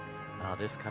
ですから